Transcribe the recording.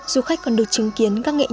du khách còn được chứng kiến các nghệ nhạc